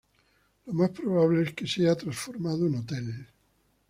Lo más probable es que sea transformado en hotel.